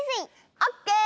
オッケー！